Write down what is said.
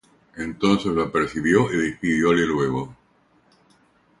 Entonces le apercibió, y despidióle luego,